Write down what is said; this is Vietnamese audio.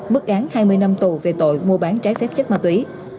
mức án hai mươi năm tù về tội mua bán trái phép chất ma túy